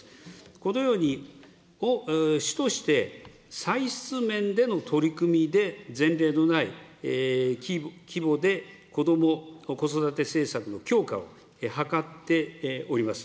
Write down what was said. このように主として歳出面での取り組みで前例のない規模で、こども・子育て政策の強化を図っております。